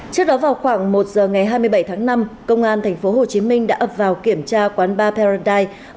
trước đó vào khoảng một h hai mươi bảy tháng năm công an tp hcm đã ập vào kiểm tra quán bar paradise